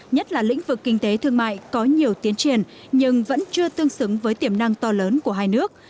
nhất là lĩnh vực kinh tế thương mại có nhiều tiến triển nhưng vẫn chưa tương xứng với tiềm năng to lớn của hai nước